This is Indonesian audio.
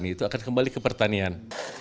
itu akan kembali ke pertanian